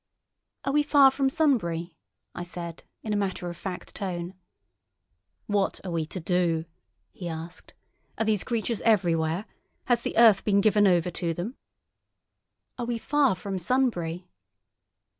"Are we far from Sunbury?" I said, in a matter of fact tone. "What are we to do?" he asked. "Are these creatures everywhere? Has the earth been given over to them?" "Are we far from Sunbury?"